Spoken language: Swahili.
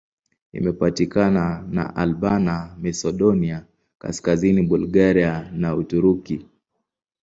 Imepakana na Albania, Masedonia Kaskazini, Bulgaria na Uturuki.